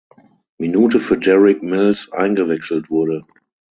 Minute für Derrick Mills eingewechselt wurde.